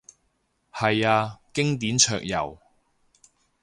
係啊，經典桌遊